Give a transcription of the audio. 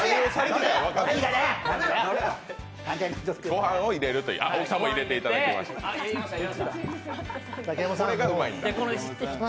ご飯を入れるという、大木さんも入れていただきました。